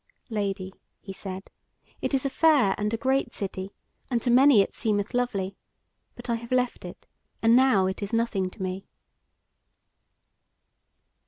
"Lady," he said, "it is a fair and a great city, and to many it seemeth lovely. But I have left it, and now it is nothing to me."